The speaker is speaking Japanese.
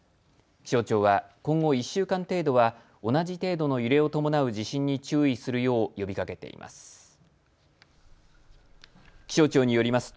気象庁は今後１週間程度は同じ程度の揺れを伴う地震に注意するよう呼びかけています。